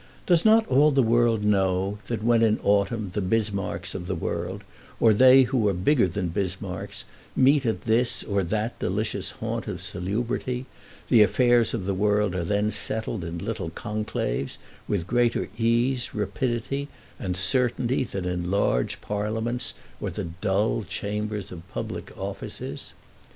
Does not all the world know that when in autumn the Bismarcks of the world, or they who are bigger than Bismarcks, meet at this or that delicious haunt of salubrity, the affairs of the world are then settled in little conclaves, with greater ease, rapidity, and certainty than in large parliaments or the dull chambers of public offices?